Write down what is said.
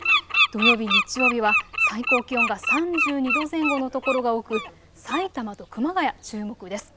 土曜日、日曜日は最高気温が３２度前後の所が多くさいたまと熊谷、注目です。